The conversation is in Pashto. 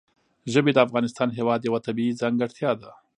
ژبې د افغانستان هېواد یوه طبیعي ځانګړتیا ده.